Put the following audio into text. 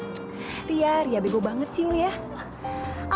alim sih alim tapi karena cinta semua orang bisa ngelakuin apa aja